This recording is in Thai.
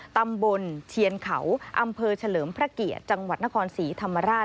ตำบลเชียนเขาอำเภอเฉลิมพระเกียรติจังหวัดนครศรีธรรมราช